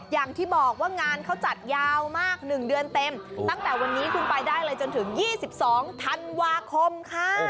อย่างที่บอกว่างานเขาจัดยาวมาก๑เดือนเต็มตั้งแต่วันนี้คุณไปได้เลยจนถึง๒๒ธันวาคมค่ะ